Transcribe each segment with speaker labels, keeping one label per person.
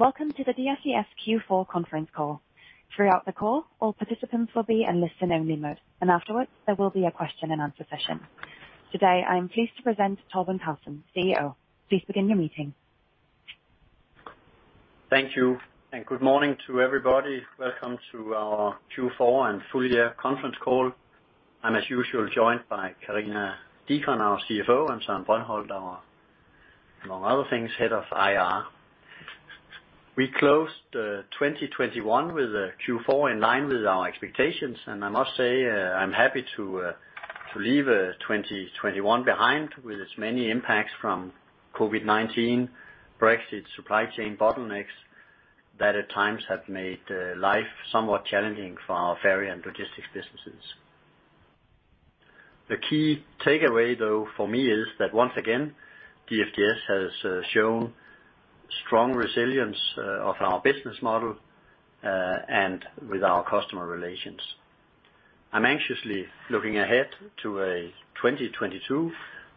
Speaker 1: Welcome to the DFDS Q4 conference call. Throughout the call, all participants will be in listen only mode, and afterwards there will be a question-and-answer session. Today, I am pleased to present Torben Carlsen, CEO. Please begin your meeting.
Speaker 2: Thank you, and good morning to everybody. Welcome to our Q4 and full year conference call. I'm, as usual, joined by Karina Deacon, our CFO, and Søren Brøndholt Nielsen, our, among other things, Head of IR. We closed 2021 with a Q4 in line with our expectations. I must say, I'm happy to leave 2021 behind with its many impacts from COVID-19, Brexit, supply chain bottlenecks, that at times have made life somewhat challenging for our ferry and logistics businesses. The key takeaway though for me is that, once again, DFDS has shown strong resilience of our business model and with our customer relations. I'm anxiously looking ahead to a 2022,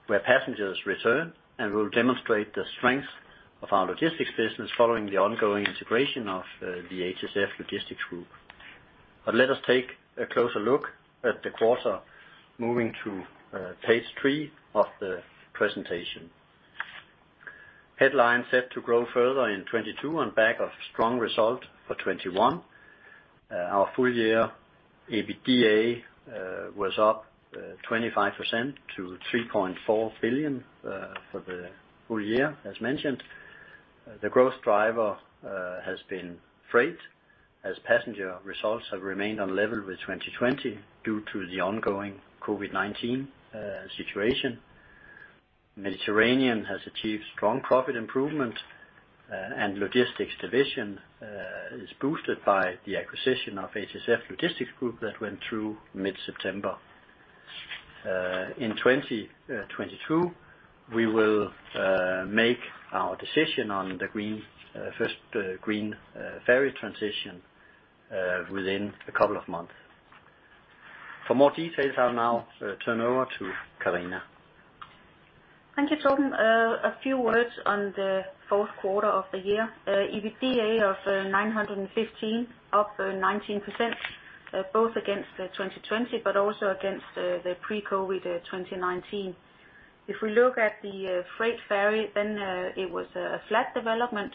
Speaker 2: where passengers return, and we'll demonstrate the strength of our logistics business following the ongoing integration of the HSF Logistics Group. Let us take a closer look at the quarter, moving to page three of the presentation. Headline set to grow further in 2022 on back of strong result for 2021. Our full year EBITDA was up 25% to 3.4 billion for the full year, as mentioned. The growth driver has been freight, as passenger results have remained on level with 2020 due to the ongoing COVID-19 situation. Mediterranean has achieved strong profit improvement, and logistics division is boosted by the acquisition of HSF Logistics Group that went through mid-September. In 2022, we will make our decision on the green first green ferry transition within a couple of months. For more details, I'll now turn over to Karina.
Speaker 3: Thank you, Torben. A few words on the fourth quarter of the year. EBITDA of 915 million, up 19%, both against 2020 but also against the pre-COVID 2019. If we look at the freight ferry, then it was a flat development.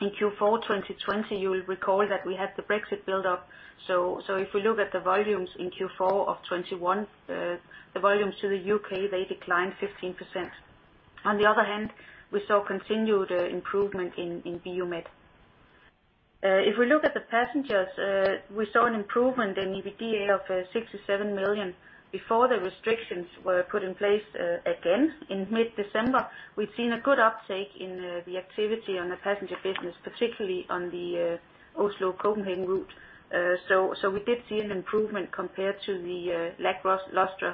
Speaker 3: In Q4 2020, you will recall that we had the Brexit buildup, so if we look at the volumes in Q4 of 2021, the volumes to the U.K. they declined 15%. On the other hand, we saw continued improvement in BU Med. If we look at the passengers, we saw an improvement in EBITDA of 67 million before the restrictions were put in place again in mid-December. We've seen a good uptake in the activity on the passenger business, particularly on the Oslo-Copenhagen route. We did see an improvement compared to the lackluster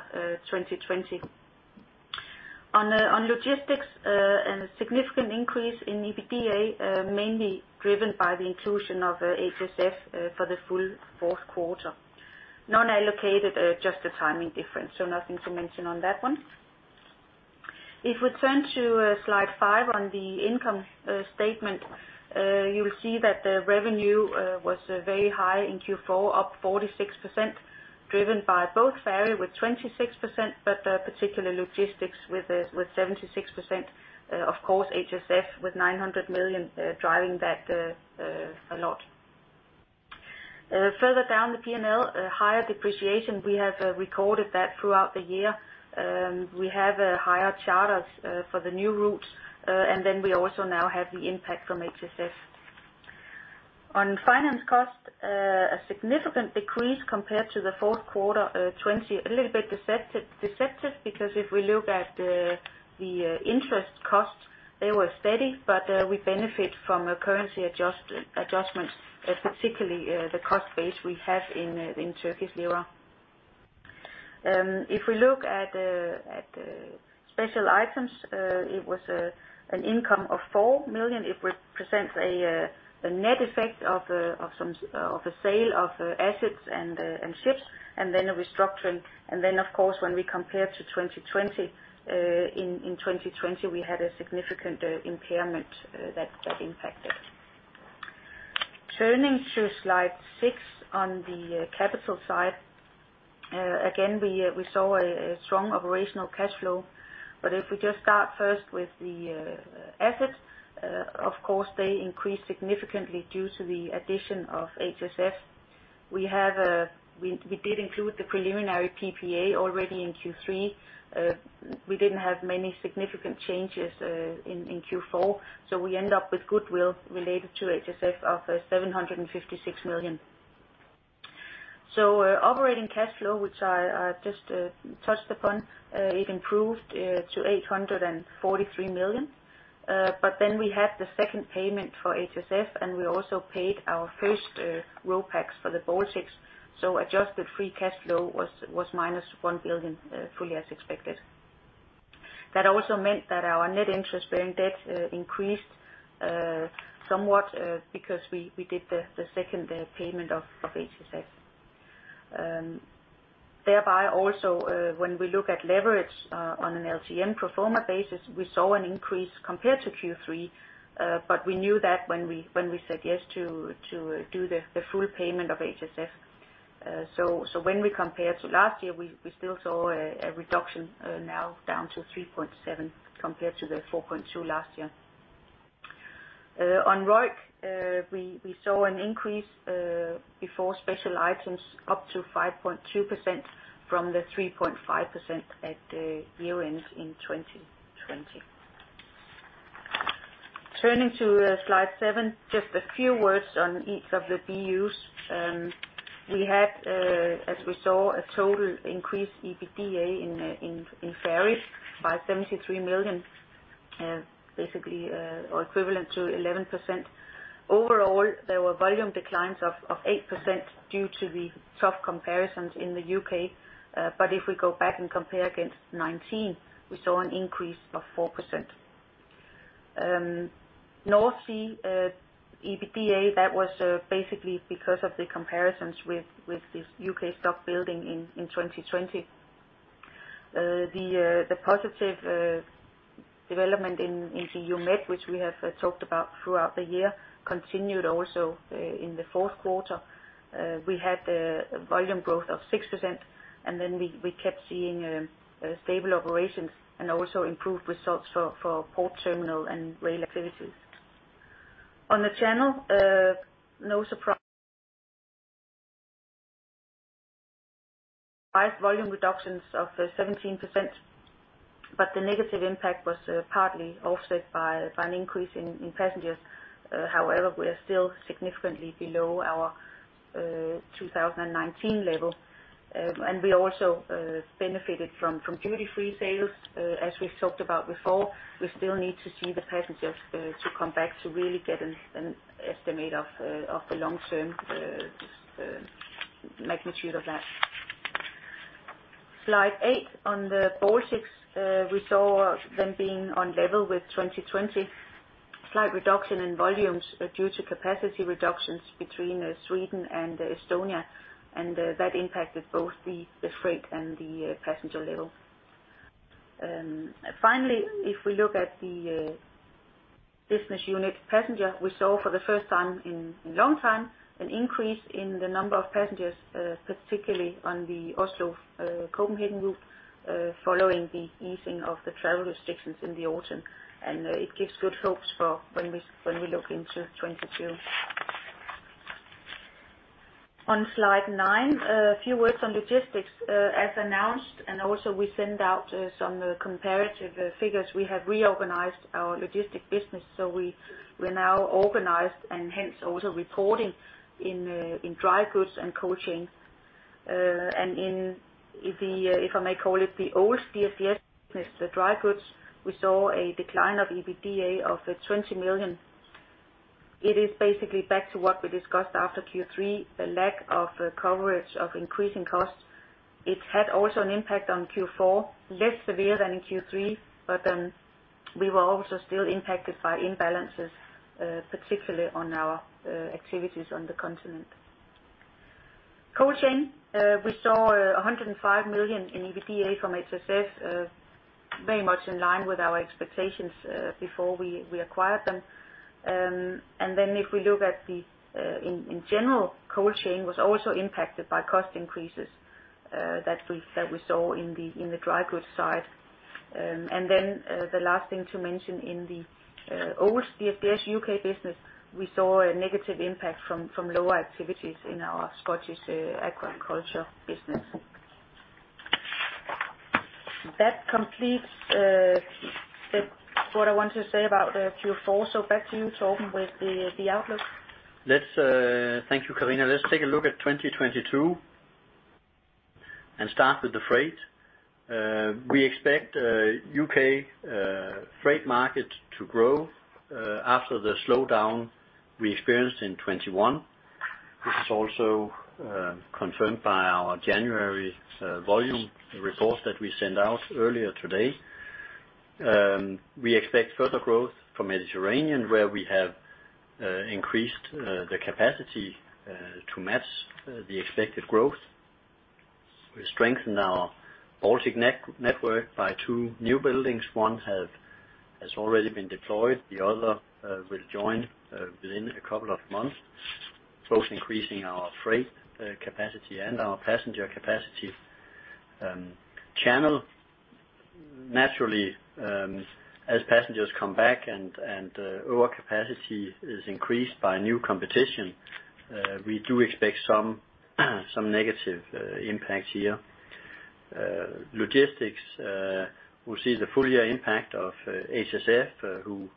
Speaker 3: 2020. On logistics and a significant increase in EBITDA mainly driven by the inclusion of HSF for the full fourth quarter. Non-allocated just a timing difference, so nothing to mention on that one. If we turn to slide five on the income statement, you will see that the revenue was very high in Q4, up 46%, driven by both ferry with 26%, but particularly logistics with 76%. Of course, HSF with 900 million driving that a lot. Further down the P&L, a higher depreciation we have recorded that throughout the year. We have higher charters for the new routes, and then we also now have the impact from HSF. On finance costs, a significant decrease compared to the fourth quarter 2020. A little bit deceptive because if we look at the interest costs, they were steady, but we benefit from a currency adjustment, particularly the cost base we have in Turkish lira. If we look at special items, it was an income of 4 million. It represents a net effect of a sale of assets and ships, and then a restructuring. Of course, when we compare to 2020, in 2020 we had a significant impairment that impacted. Turning to slide six on the capital side. Again, we saw a strong operational cash flow. If we just start first with the assets, of course, they increased significantly due to the addition of HSF. We did include the preliminary PPA already in Q3. We didn't have many significant changes in Q4, so we end up with goodwill related to HSF of 756 million. Operating cash flow, which I just touched upon, it improved to 843 million. Then we had the second payment for HSF, and we also paid our first RoPax for the Baltics, so adjusted free cash flow was -1 billion, fully as expected. That also meant that our net interest-bearing debt increased somewhat because we did the second payment of HSF. Thereby also, when we look at leverage on an LTM pro forma basis, we saw an increase compared to Q3, but we knew that when we said yes to do the full payment of HSF. When we compare to last year, we still saw a reduction now down to 3.7% compared to the 4.2% last year. On ROIC, we saw an increase before special items up to 5.2% from the 3.5% at the year-end in 2020. Turning to slide seven, just a few words on each of the BUs. We had, as we saw, a total increased EBITDA in ferries by 73 million, basically, or equivalent to 11%. Overall, there were volume declines of 8% due to the tough comparisons in the U.K. If we go back and compare against 2019, we saw an increase of 4%. North Sea EBITDA that was basically because of the comparisons with the U.K. stock building in 2020. The positive development in EU Med, which we have talked about throughout the year, continued also in the fourth quarter. We had volume growth of 6%, and then we kept seeing stable operations and also improved results for port terminal and rail activities. On the Channel, no surprise volume reductions of 17%, but the negative impact was partly offset by an increase in passengers. However, we are still significantly below our 2019 level. We also benefited from duty-free sales. As we've talked about before, we still need to see the passengers to come back to really get an estimate of the long-term magnitude of that. Slide eight. On the Baltics, we saw them being on level with 2020. Slight reduction in volumes due to capacity reductions between Sweden and Estonia, and that impacted both the freight and the passenger level. Finally, if we look at the business unit passenger, we saw for the first time in a long time an increase in the number of passengers, particularly on the Oslo Copenhagen route, following the easing of the travel restrictions in the autumn. It gives good hopes for when we look into 2022. On slide nine, a few words on logistics. As announced, and also we sent out some comparative figures, we have reorganized our logistics business, so we're now organized and hence also reporting in dry goods and cold chain. In the if I may call it the old DFDS business, the dry goods, we saw a decline of EBITDA of 20 million. It is basically back to what we discussed after Q3, the lack of coverage of increasing costs. It had also an impact on Q4, less severe than in Q3, but we were also still impacted by imbalances, particularly on our activities on the continent. Cold chain, we saw 105 million in EBITDA from HSF, very much in line with our expectations before we acquired them. In general, cold chain was also impacted by cost increases that we saw in the dry goods side. The last thing to mention in the old DFDS UK business, we saw a negative impact from lower activities in our Scottish aquaculture business. That completes what I want to say about Q4. Back to you, Torben, with the outlook.
Speaker 2: Thank you, Karina. Let's take a look at 2022 and start with the freight. We expect U.K. freight market to grow after the slowdown we experienced in 2021. This is also confirmed by our January volume report that we sent out earlier today. We expect further growth from Mediterranean, where we have increased the capacity to match the expected growth. We strengthened our Baltic network by two newbuilds. One has already been deployed, the other will join within a couple of months, both increasing our freight capacity and our passenger capacity. Channel, naturally, as passengers come back and overcapacity is increased by new competition, we do expect some negative impacts here. Logistics, we see the full year impact of HSF, who,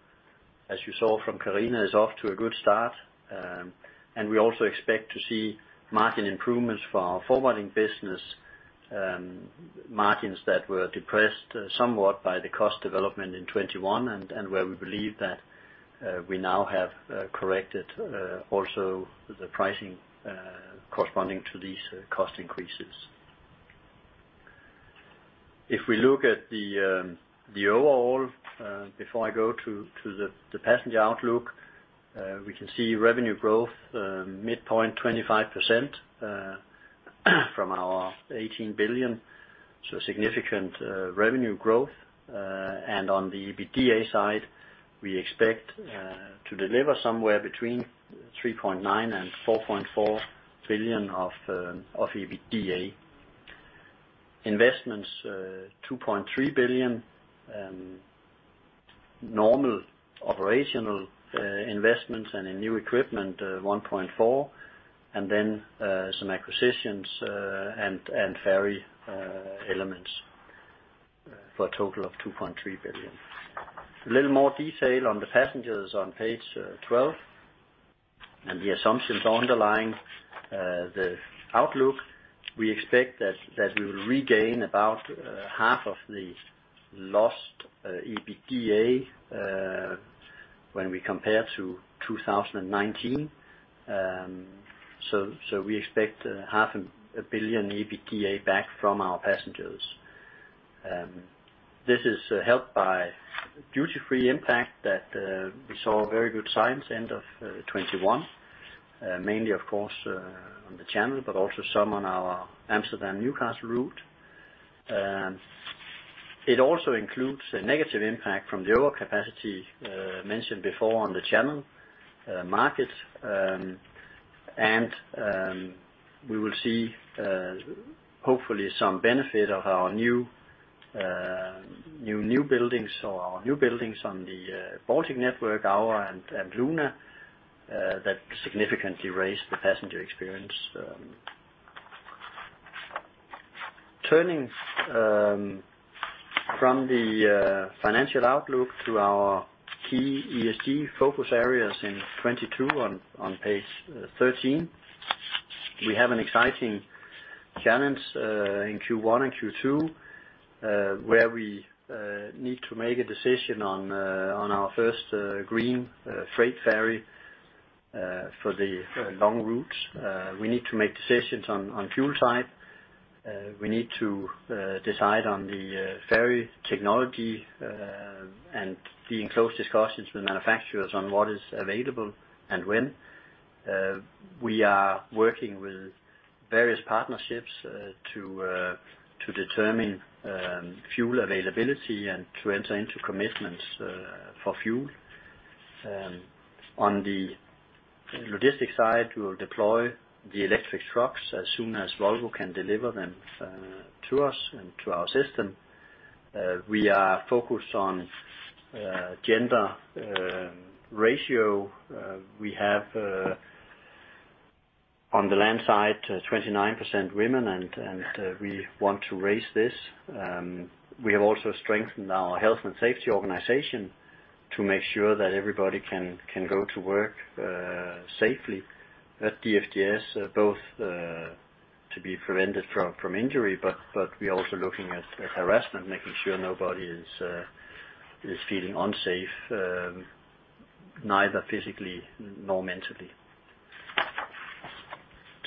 Speaker 2: as you saw from Karina, is off to a good start. We also expect to see margin improvements for our forwarding business, margins that were depressed somewhat by the cost development in 2021 and where we believe that we now have corrected also the pricing corresponding to these cost increases. If we look at the overall, before I go to the passenger outlook, we can see revenue growth, midpoint 25%, from our 18 billion. Significant revenue growth. On the EBITDA side, we expect to deliver somewhere between 3.9 billion-4.4 billion of EBITDA. Investments, 2.3 billion. Normal operational investments and in new equipment, 1.4 billion. Then some acquisitions and ferry elements for a total of 2.3 billion. A little more detail on the passengers on page 12, and the assumptions underlying the outlook. We expect that we will regain about half of the lost EBITDA when we compare to 2019. So we expect half a billion EBITDA back from our passengers. This is helped by duty-free impact that we saw very good signs end of 2021. Mainly of course on the channel, but also some on our Amsterdam-Newcastle route. It also includes a negative impact from the overcapacity mentioned before on the channel market. We will see hopefully some benefit of our newbuilds on the Baltic network, Aura and Luna, that significantly raise the passenger experience. Turning from the financial outlook to our key ESG focus areas in 2022 on page 13. We have an exciting challenge in Q1 and Q2 where we need to make a decision on our first green freight ferry for the long routes. We need to make decisions on fuel side. We need to decide on the ferry technology and be in close discussions with manufacturers on what is available and when. We are working with various partnerships to determine fuel availability and to enter into commitments for fuel. On the logistic side, we will deploy the electric trucks as soon as Volvo can deliver them to us and to our system. We are focused on gender ratio. We have on the land side 29% women, and we want to raise this. We have also strengthened our health and safety organization to make sure that everybody can go to work safely at DFDS, both to be prevented from injury, but we're also looking at harassment, making sure nobody is feeling unsafe, neither physically nor mentally.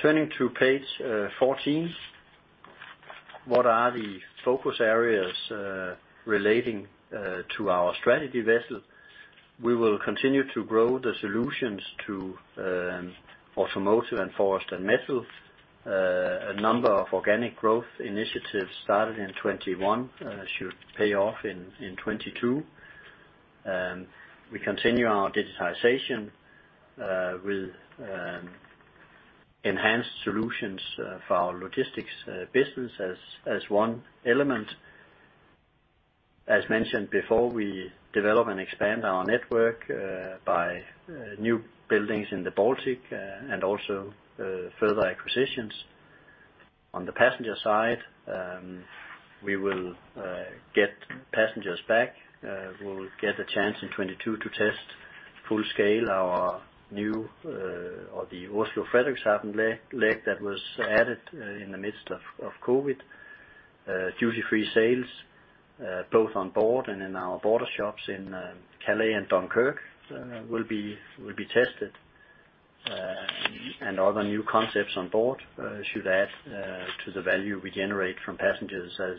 Speaker 2: Turning to page 14. What are the focus areas relating to our strategic vessels? We will continue to grow the solutions to automotive, forest, and metals. A number of organic growth initiatives started in 2021 should pay off in 2022. We continue our digitization with enhanced solutions for our logistics business as one element. As mentioned before, we develop and expand our network by newbuilds in the Baltic and also further acquisitions. On the passenger side, we will get passengers back. We'll get a chance in 2022 to test full scale the Oslo-Frederikshavn leg that was added in the midst of COVID. Duty-free sales both on board and in our border shops in Calais and Dunkirk will be tested. Other new concepts on board should add to the value we generate from passengers as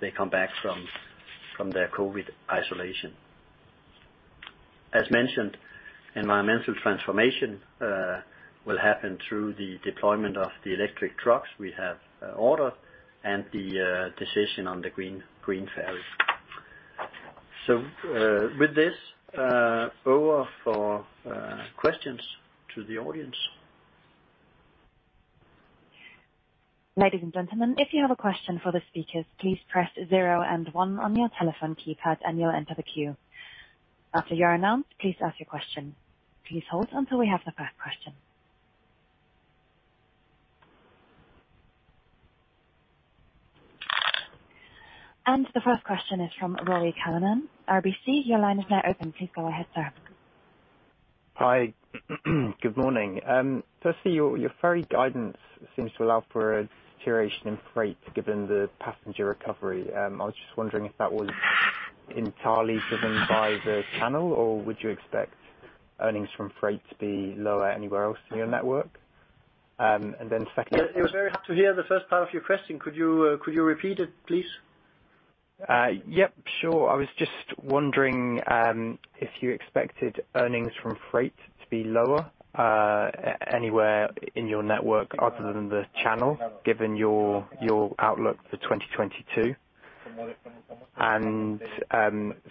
Speaker 2: they come back from their COVID isolation. As mentioned, environmental transformation will happen through the deployment of the electric trucks we have ordered and the decision on the green ferry. With this over for questions to the audience.
Speaker 1: Ladies and gentlemen, if you have a question for the speakers, please press zero and one on your telephone keypad and you'll enter the queue. After you're announced, please ask your question. Please hold until we have the first question. The first question is from Ruairi Callan, RBC. Your line is now open. Please go ahead, sir.
Speaker 4: Hi. Good morning. Firstly, your ferry guidance seems to allow for a deterioration in freight given the passenger recovery. I was just wondering if that was entirely driven by the channel, or would you expect earnings from freight to be lower anywhere else in your network? Um, and then second.
Speaker 2: It was very hard to hear the first part of your question. Could you repeat it, please?
Speaker 4: Yep, sure. I was just wondering if you expected earnings from freight to be lower anywhere in your network other than the channel, given your outlook for 2022.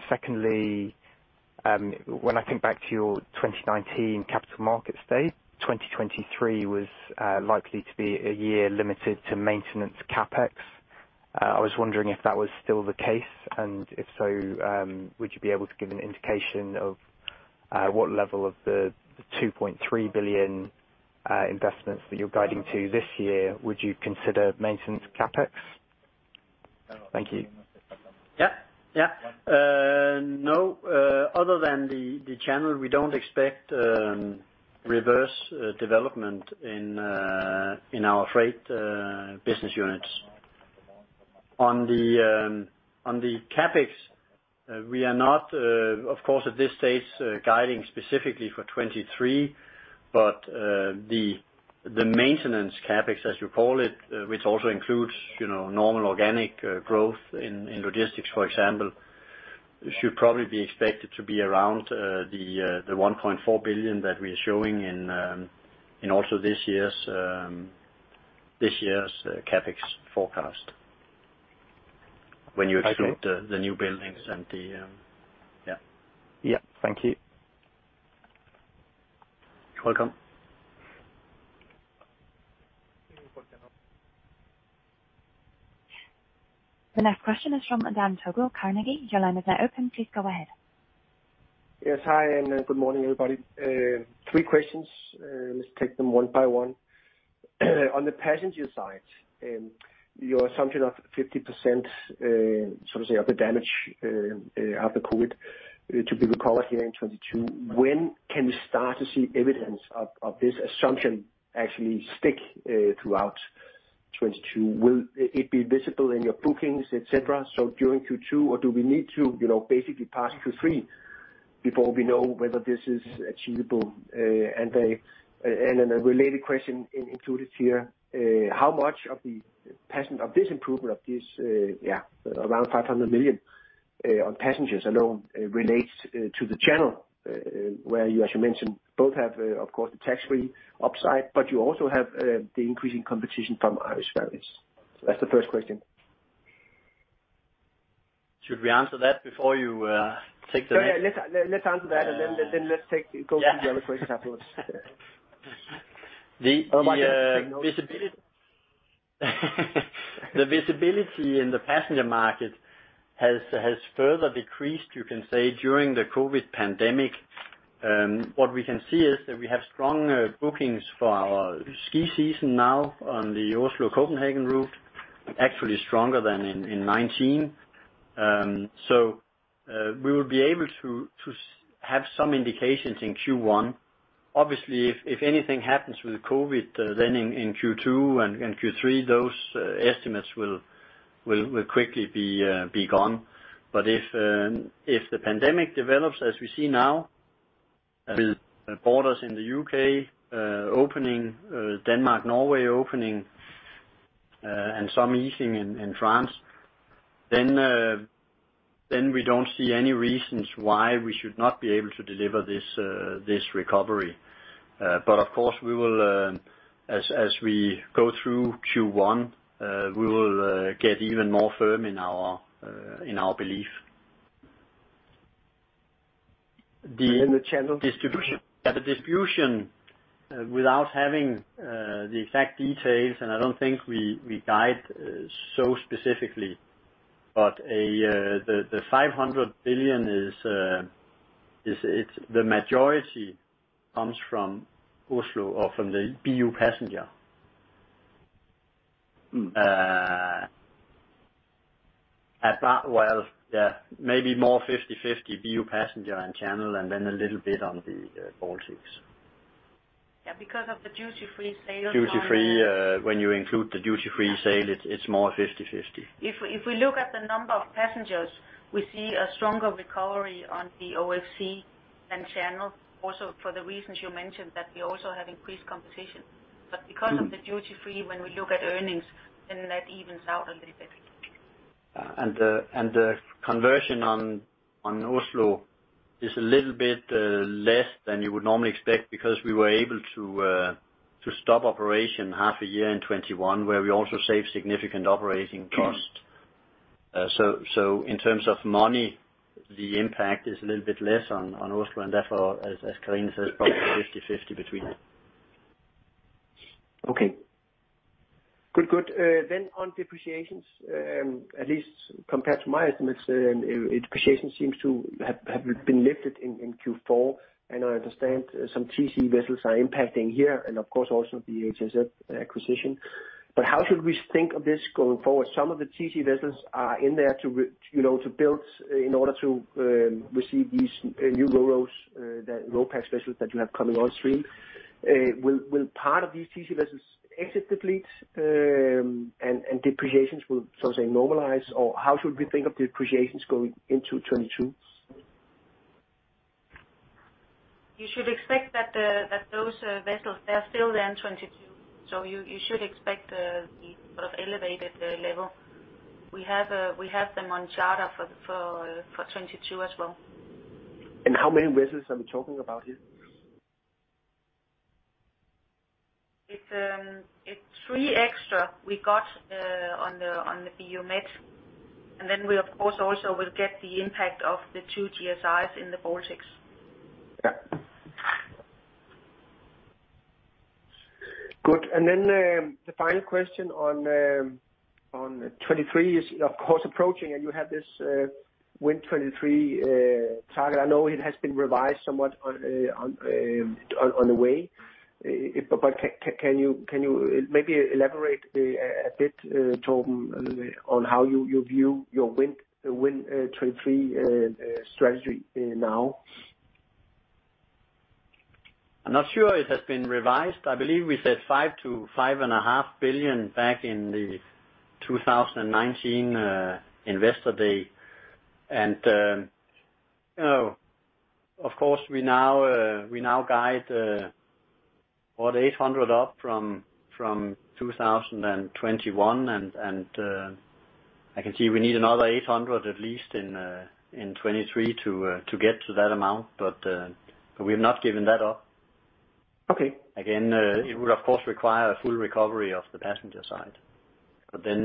Speaker 4: Secondly, when I think back to your 2019 capital markets day, 2023 was likely to be a year limited to maintenance CapEx. I was wondering if that was still the case, and if so, would you be able to give an indication of what level of the 2.3 billion investments that you're guiding to this year you would consider maintenance CapEx? Thank you.
Speaker 2: No, other than the channel, we don't expect reverse development in our freight business units. On the CapEx, we are not, of course, at this stage, guiding specifically for 2023, but the maintenance CapEx, as you call it, which also includes, you know, normal organic growth in logistics, for example, should probably be expected to be around the 1.4 billion that we're showing in also this year's CapEx forecast. When you exclude-
Speaker 4: Thank you.
Speaker 2: -the, the new buildings and the, um, yeah.
Speaker 4: Yeah. Thank you.
Speaker 2: You're welcome.
Speaker 1: The next question is from Dan Togo, Carnegie. Your line is now open. Please go ahead.
Speaker 5: Yes. Hi, and good morning, everybody. Three questions. Let's take them one by one. On the passenger side, your assumption of 50%, so to say, of the damage after COVID to be recovered here in 2022, when can we start to see evidence of this assumption actually stick throughout 2022? Will it be visible in your bookings, et cetera, so during Q2? Or do we need to, you know, basically pass Q3 before we know whether this is achievable? And then a related question included here, how much of the passenger improvement this around 500 million on passengers alone relates to the channel, where you, as you mentioned, both have, of course, the tax-free upside, but you also have the increasing competition from Irish Ferries? That's the first question.
Speaker 2: Should we answer that before you take the next?
Speaker 5: Yeah, let's answer that, and then let's go to the other questions afterwards.
Speaker 2: The visibility in the passenger market has further decreased, you can say, during the COVID pandemic. What we can see is that we have strong bookings for our ski season now on the Oslo-Copenhagen route, actually stronger than in 2019. We will be able to have some indications in Q1. Obviously, if anything happens with COVID then in Q2 and Q3, those estimates will quickly be gone. If the pandemic develops as we see now, with borders in the U.K. opening, Denmark, Norway opening, and some easing in France, then we don't see any reasons why we should not be able to deliver this recovery. Of course, we will get even more firm in our belief as we go through Q1.
Speaker 5: The channel distribution.
Speaker 2: Yeah, the distribution without having the exact details, and I don't think we guide so specifically, but the 500 million is it's the majority comes from Oslo or from the BU Passenger.
Speaker 5: Mm.
Speaker 2: At that, well, yeah, maybe more 50/50 BU Passenger and Channel, and then a little bit on the Baltics.
Speaker 3: Yeah, because of the duty-free sales on the.
Speaker 2: Duty-free, when you include the duty-free sale, it's more 50/50.
Speaker 3: If we look at the number of passengers, we see a stronger recovery on the OFC and channel also for the reasons you mentioned that we also have increased competition.
Speaker 2: Mm-hmm.
Speaker 3: Because of the duty-free, when we look at earnings, then that evens out a little bit.
Speaker 2: The conversion on Oslo is a little bit less than you would normally expect because we were able to stop operation half a year in 2021, where we also saved significant operating costs. In terms of money, the impact is a little bit less on Oslo, and therefore, as Karina says, probably 50/50 between them.
Speaker 5: Okay. Good. On depreciations, at least compared to my estimates, depreciation seems to have been lifted in Q4, and I understand some TC vessels are impacting here and of course also the HSF acquisition. How should we think of this going forward? Some of the TC vessels are in there you know, to bridge in order to receive these new Ro-Ros and RoPax vessels you have coming on stream. Will part of these TC vessels exit the fleet, and depreciations will so say normalize? Or how should we think of depreciations going into 2022?
Speaker 3: You should expect that those vessels, they're still there in 2022. You should expect the sort of elevated level. We have them on charter for 2022 as well.
Speaker 5: How many vessels are we talking about here?
Speaker 3: It's three extra we got on the BUMED. We, of course, also will get the impact of the two GSIs in the Baltics.
Speaker 5: Yeah. Good. The final question on 23 is of course approaching, and you have this Win23 target. I know it has been revised somewhat on the way. Can you maybe elaborate a bit, Torben, on how you view your Win23 strategy now?
Speaker 2: I'm not sure it has been revised. I believe we said 5 billion-5.5 billion back in the 2019 Investor Day. You know, of course, we now guide about 800 million up from 2021. I can see we need another 800 million at least in 2023 to get to that amount we have not given that up.
Speaker 5: Okay.
Speaker 2: Again, it would of course require a full recovery of the passenger side. We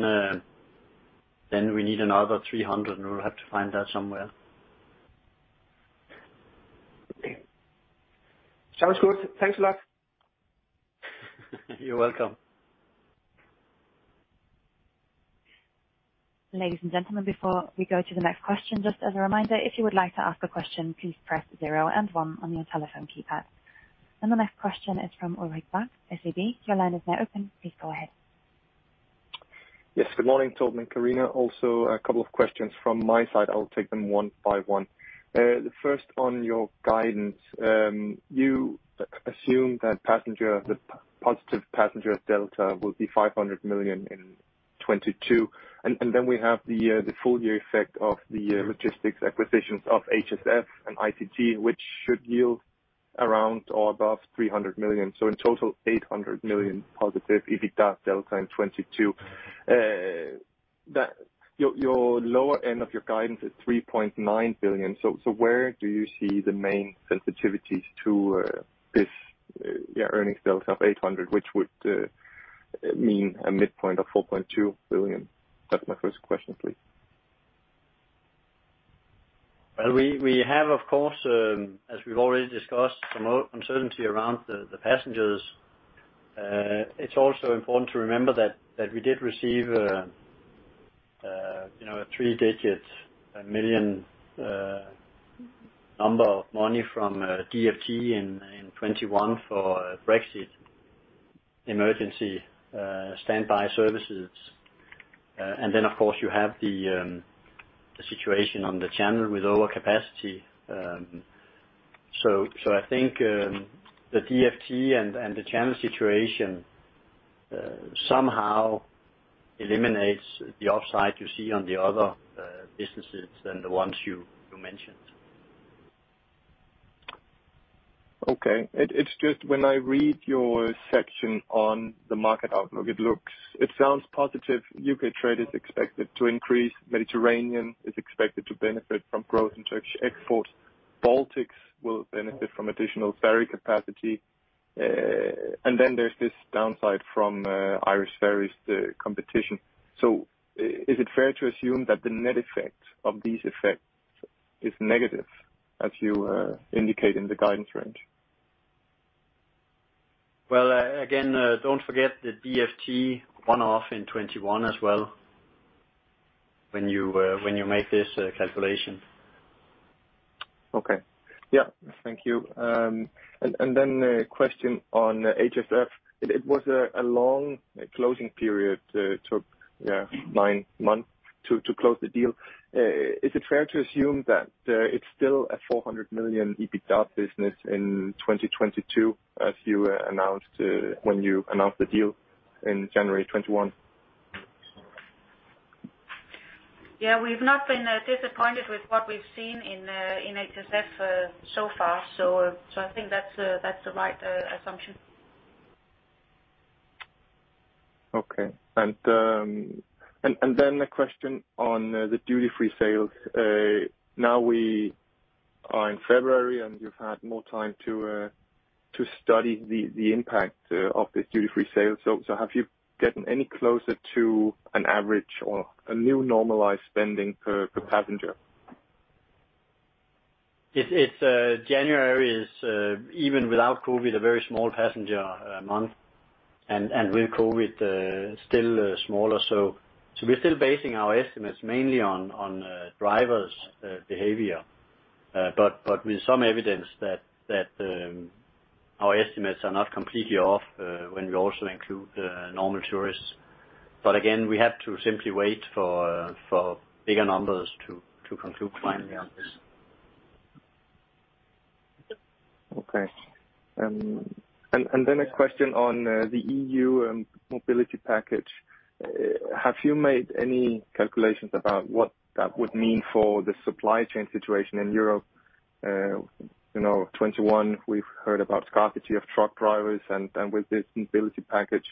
Speaker 2: need another 300 million, and we would have to find that somewhere.
Speaker 5: Sounds good. Thanks a lot.
Speaker 2: You're welcome.
Speaker 1: Ladies and gentlemen, before we go to the next question, just as a reminder, if you would like to ask a question, please press zero and one on your telephone keypad. The next question is from Ulrik Bak, SEB. Your line is now open please go ahead.
Speaker 6: Yes. Good morning, Torben and Karina. Also, a couple of questions from my side. I'll take them one by one the first on your guidance you assume that passenger, the positive passenger delta will be 500 million in 2022. Then we have the full year effect of the logistics acquisitions of HSF and ICT, which should yield around or above 300 million. In total, 800 million positive EBITDA delta in 2022. Your lower end of your guidance is 3.9 billion. Where do you see the main sensitivities to this earnings delta of 800 million, which would mean a midpoint of 4.2 billion? That's my first question, please.
Speaker 2: Well, we have, of course, as we've already discussed, some uncertainty around the passengers. It's also important to remember that we did receive, you know, a three-digit million DKK money from DfT in 2021 for Brexit emergency standby services. Then, of course, you have the situation on the channel with lower capacity. I think the DfT and the channel situation somehow eliminates the upside you see on the other businesses than the ones you mentioned.
Speaker 6: Okay. It's just when I read your section on the market outlook, it looks, it sounds positive. U.K. trade is expected to increase. Mediterranean is expected to benefit from growth in Turkish export. Baltics will benefit from additional ferry capacity. There's this downside from Irish Ferries, the competition. Is it fair to assume that the net effect of these effects is negative as you indicate in the guidance range?
Speaker 2: Well, again, don't forget the DfT one-off in 2021 as well when you make this calculation.
Speaker 6: Thank you. A question on HSF. It was a long closing period. Took nine months to close the deal. Is it fair to assume that it's still a 400 million EBITDA business in 2022, as you announced when you announced the deal in January 2021?
Speaker 3: Yeah. We've not been disappointed with what we've seen in HSF so far. I think that's the right assumption.
Speaker 6: Okay, then a question on the duty-free sales. Now we are in February, and you've had more time to study the impact of this duty-free sale. Have you gotten any closer to an average or a new normalized spending per passenger?
Speaker 2: January is, even without COVID, a very small passenger month, and with COVID, still smaller. We're still basing our estimates mainly on drivers behavior. With some evidence that our estimates are not completely off, when we also include normal tourists. Again, we have to simply wait for bigger numbers to conclude finally on this.
Speaker 6: Okay. A question on the EU Mobility Package. Have you made any calculations about what that would mean for the supply chain situation in Europe? You know, 2021, we've heard about scarcity of truck drivers and with this Mobility Package,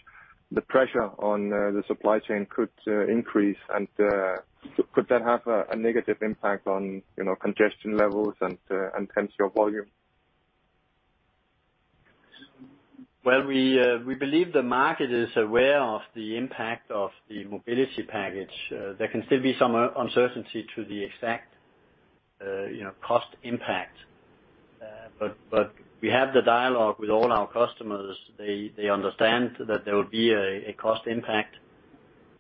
Speaker 6: the pressure on the supply chain could increase and could that have a negative impact on, you know, congestion levels and hence your volume?
Speaker 2: Well, we believe the market is aware of the impact of the Mobility Package. There can still be some uncertainty to the exact, you know, cost impact. We have the dialogue with all our customers. They understand that there will be a cost impact.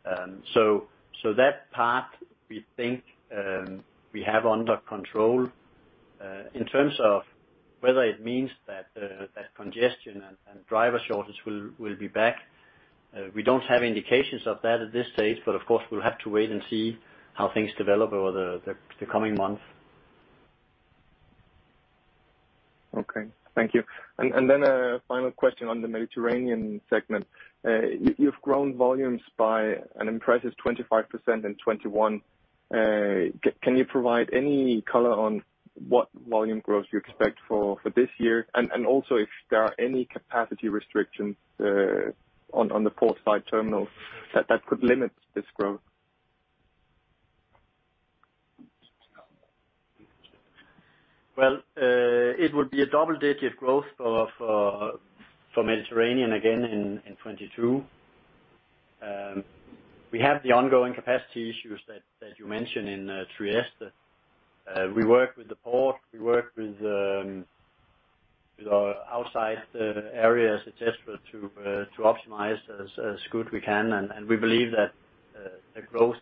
Speaker 2: That part, we think, we have under control. In terms of whether it means that that congestion and driver shortage will be back, we don't have indications of that at this stage, but of course, we'll have to wait and see how things develop over the coming months.
Speaker 6: Okay. Thank you. Then a final question on the Mediterranean segment. You've grown volumes by an impressive 25% in 2021. Can you provide any color on what volume growth you expect for this year? Also if there are any capacity restrictions on the port side terminals that could limit this growth.
Speaker 2: Well, it would be a double-digit growth for Mediterranean again in 2022. We have the ongoing capacity issues that you mentioned in Trieste. We work with the port; we work with our outside areas at Trieste to optimize as best we can. We believe that the growth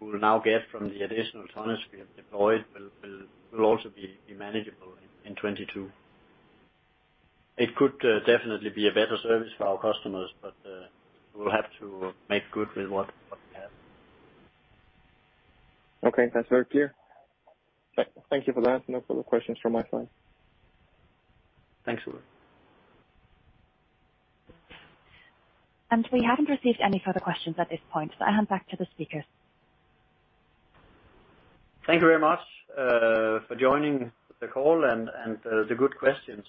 Speaker 2: we'll now get from the additional tonnage we have deployed will also be manageable in 2022. It could definitely be a better service for our customers, but we'll have to make do with what we have.
Speaker 6: Okay. That's very clear. Thank you for that. No further questions from my side.
Speaker 2: Thanks.
Speaker 1: We haven't received any further questions at this point, so I hand back to the speakers.
Speaker 2: Thank you very much for joining the call and the good questions.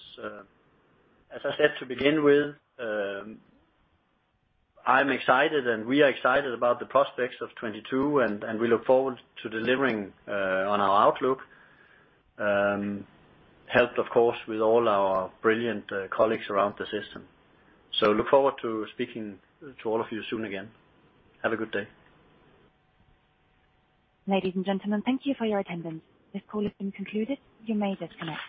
Speaker 2: As I said to begin with, I'm excited and we are excited about the prospects of 2022, and we look forward to delivering on our outlook, helped of course with all our brilliant colleagues around the system. Look forward to speaking to all of you soon again. Have a good day.
Speaker 1: Ladies and gentlemen, thank you for your attendance. This call has been concluded. You may disconnect.